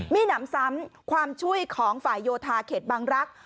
มีหนำซ้ำความช่วยของฝ่ายโยธาเขตบางรักษ